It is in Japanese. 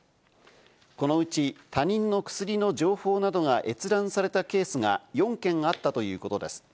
このうち、他人の薬の情報などが閲覧されたケースが４件あったということです。